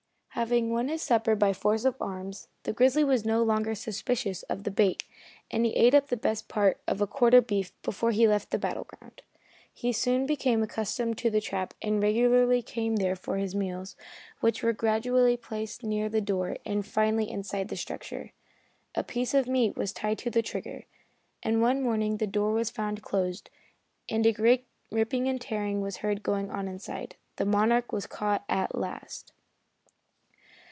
Having won his supper by force of arms, the grizzly was no longer suspicious of the bait, and he ate up the best part of a quarter of beef before he left the battle ground. He soon became accustomed to the trap, and regularly came there for his meals, which were gradually placed nearer the door and finally inside the structure. A piece of meat was tied to the trigger, and one morning the door was found closed, and a great ripping and tearing was heard going on inside. The Monarch was caught at last.